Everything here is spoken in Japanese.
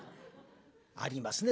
ありますね